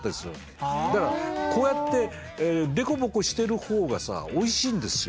だからこうやって凸凹してるほうがさおいしいんですよ